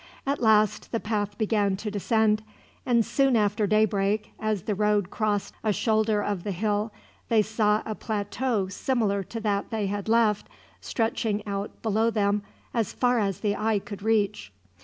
At last the path began to descend, and soon after daybreak, as the road crossed a shoulder of the hill, they saw a plateau similar to that they had left, stretching out below them as far as the eye could reach.